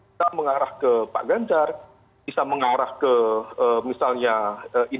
bisa mengarah ke pak ganjar bisa mengarah ke misalnya ini